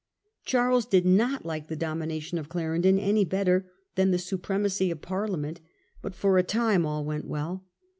Charles did not like the domination of Clarendon any better than the supremacy of Parliament, but, for a time, all went well.